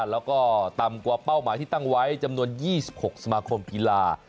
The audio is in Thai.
แล้วก็ต่ำกว่าเป้าหมายที่ตั้งไว้จำนวน๒๖สมาคมกีฬา